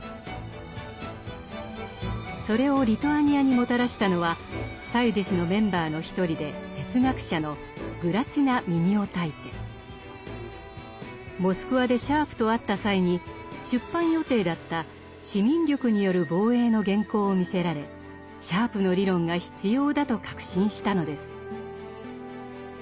それをリトアニアにもたらしたのはモスクワでシャープと会った際に出版予定だった「市民力による防衛」の原稿を見せられシャープの理論が必要だと確信したのです。